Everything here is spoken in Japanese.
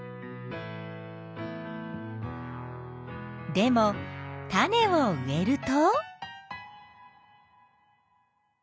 でも種を植えると。